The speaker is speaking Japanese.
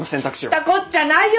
知ったこっちゃないよ